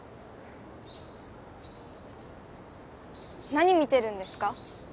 何見てるんですか？